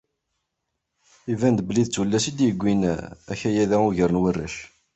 Iban-d belli d tullas i d-yewwin akayad-a ugar n warrac.